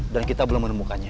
dan kita belum menemukannya